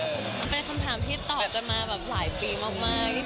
มันเป็นคำถามที่ตอบกันมาแบบหลายปีมาก